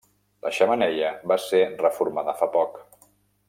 La xemeneia va ser reformada fa poc.